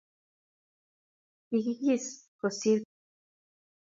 Kikisis kosir kwekeny